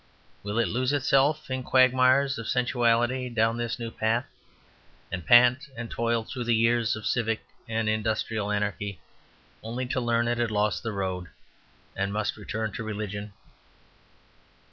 Will it lose itself in quagmires of sensuality down this new path, and pant and toil through years of civic and industrial anarchy, only to learn it had lost the road, and must return to religion?